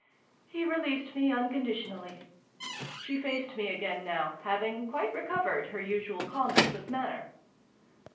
" He released me unconditionally." She faced me again now, having quite recovered her usual calmness of manner.